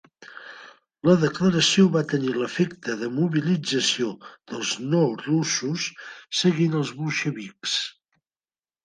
La declaració va tenir l"efecte de mobilització dels no russos seguint els bolxevics.